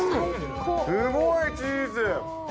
すごいチーズ。